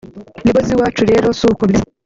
Label z’iwacu rero si uko bimeze